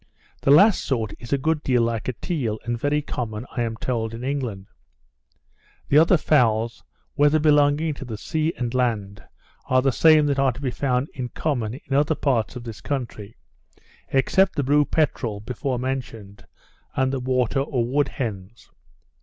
The last sort is a good deal like a teal, and very common, I am told, in England. The other fowls, whether belonging to the sea and land, are the same that are to be found in common in other parts of this country, except the blue peterel before mentioned, and the water or wood hens.